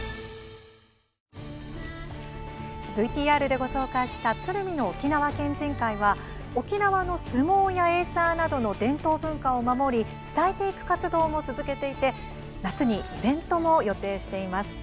ＶＴＲでご紹介した鶴見の沖縄県人会は沖縄の相撲やエイサーなどの伝統文化を守り伝えていく活動も続けていて夏にイベントも予定しています。